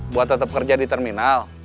buat tetap kerja di terminal